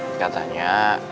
nah lu bener